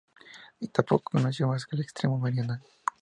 Y tampoco conoció más que el extremo meridional.